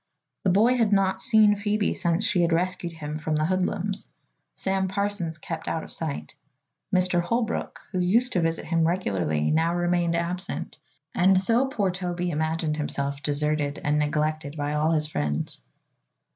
The boy had not seen Phoebe since she had rescued him from the hoodlums; Sam Parsons kept out of sight; Mr. Holbrook, who used to visit him regularly, now remained absent, and so poor Toby imagined himself deserted and neglected by all his friends.